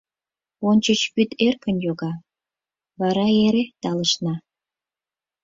Ончыч вӱд эркын йога, вара эре талышна.